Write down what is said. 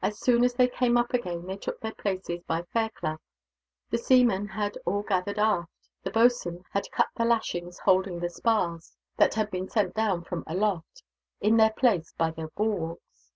As soon as they came up again, they took their places by Fairclough. The seamen had all gathered aft. The boatswain had cut the lashings holding the spars that had been sent down from aloft in their place by the bulwarks.